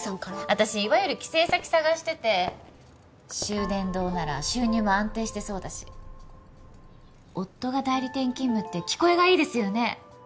私いわゆる寄生先探してて秀伝堂なら収入も安定してそうだし夫が代理店勤務って聞こえがいいですよね？